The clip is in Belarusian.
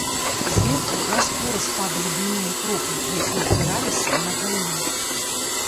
Зверху раз-пораз падалі буйныя кроплі, якія збіраліся на галлі.